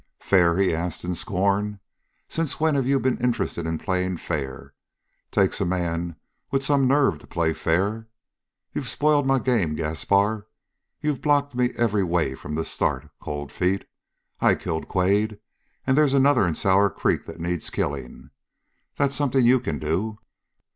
"Fair?" he asked in scorn. "Since when have you been interested in playing fair? Takes a man with some nerve to play fair. You've spoiled my game, Gaspar. You've blocked me every way from the start, Cold Feet. I killed Quade, and they's another in Sour Creek that needs killing. That's something you can do.